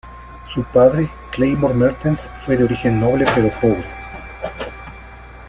Su padre, Clamor Mertens, fue de origen noble pero pobre.